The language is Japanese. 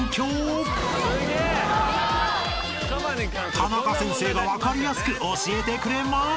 ［タナカ先生が分かりやすく教えてくれます］